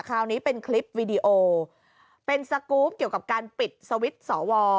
คราวนี้เป็นคลิปวีดีโอเป็นสกรูปเกี่ยวกับการปิดสวิตช์สอวอ